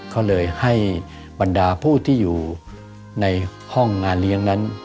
ก็เลยให้บรรดาผู้ที่อยู่ในห้องงานเลี้ยงนั้น